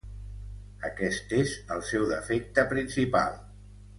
Aquest és el seu defecte principal.